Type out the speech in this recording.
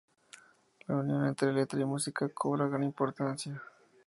La unión entre letra y música cobra gran importancia.